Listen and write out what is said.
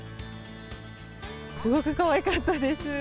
すごくかわいかったです。